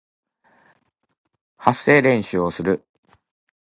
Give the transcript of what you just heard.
発声練習をする